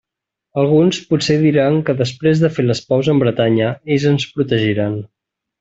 Alguns potser diran que, després de fer les paus amb Bretanya, ells ens protegiran.